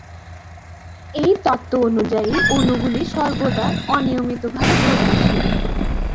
এই তত্ত্ব অনুযায়ী অণুগুলি সর্বদা অনিয়মিতভাবে গতিশীল।